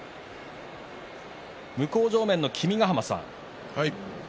向正面の君ヶ濱さん